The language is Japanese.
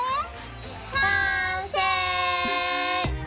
完成！